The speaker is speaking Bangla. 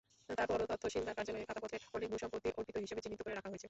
তারপরও তহশিলদার কার্যালয়ের খাতাপত্রে অনেক ভূসম্পত্তি অর্পিত হিসেবে চিহ্নিত করে রাখা হয়েছে।